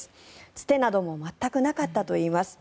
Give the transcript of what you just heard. つてなども全くなかったといいます。